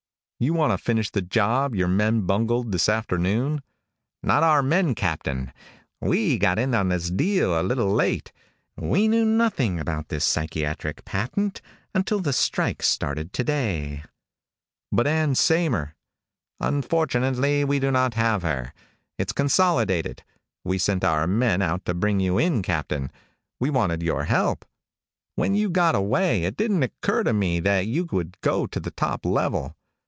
"You want to finish the job your men bungled this afternoon?" "Not our men, Captain. We got in on this deal a little late. We knew nothing about this psychiatric patent until the strikes started today." "But Ann Saymer " "Unfortunately, we do not have her. It's Consolidated. We sent our men out to bring you in, Captain. We wanted your help. When you got away, it didn't occur to me that you would go to the top level.